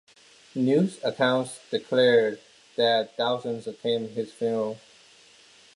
News accounts declared that thousands attended his funeral.